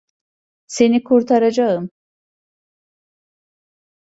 Seni kurtaracağım!